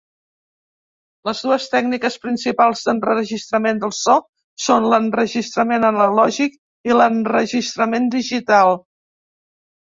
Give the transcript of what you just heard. Les dues tècniques principals d'enregistrament del so són l'enregistrament analògic i l'enregistrament digital.